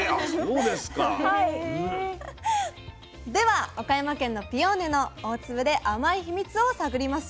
では岡山県のピオーネの大粒で甘いヒミツを探りますよ。